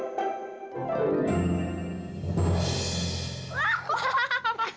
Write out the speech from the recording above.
bukannya kayak setan